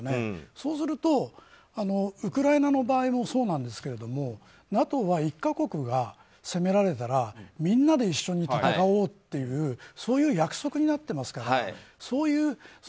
そうすると、ウクライナの場合もそうなんですがＮＡＴＯは１か国が攻められたらみんなで一緒に戦おうっていう約束になっていますから。